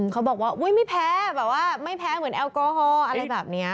เขาบอกว่าอุ๊ยไม่แพ้แบบว่าไม่แพ้เหมือนแอลกอฮอล์อะไรแบบนี้